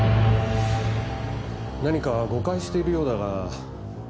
何か誤解しているようだが。